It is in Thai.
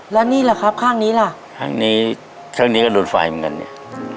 แล้วนี่แหละครับข้างนี้ล่ะข้างนี้ข้างนี้ก็โดนไฟเหมือนกันเนี่ย